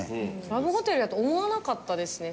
ラブホテルやと思わなかったですね